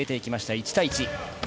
１対１。